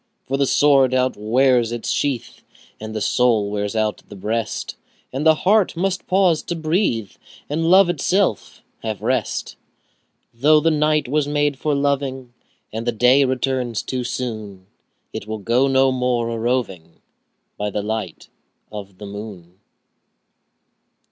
For the sword outwears its sheath, 5 And the soul wears out the breast, And the heart must pause to breathe, And love itself have rest. Though the night was made for loving, And the day returns too soon, 10 Yet we'll go no more a roving By the light of the moon.